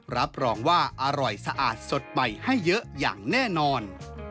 รับรองว่าอร่อยสะอาดสดใหม่ให้เยอะอย่างแน่นอน